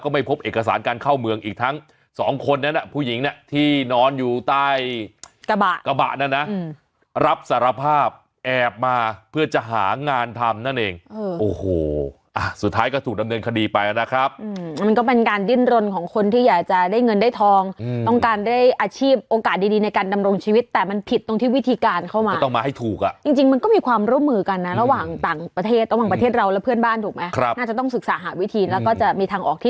ไม่พบเอกสารการเข้าเมืองอีกทั้งสองคนนั้นน่ะผู้หญิงที่นอนอยู่ใต้กระบะนั้นนะรับสารภาพแอบมาเพื่อจะหางานทำนั่นเองโอ้โหสุดท้ายก็ถูกดำเนินคดีไปแล้วนะครับมันก็เป็นการดิ้นรนของคนที่อยากจะได้เงินได้ทองต้องการได้อาชีพโอกาสดีในการดำรงชีวิตแต่มันผิดตรงที่วิธีการเข้ามาก็ต้องมาให้ถูกอ่ะจริง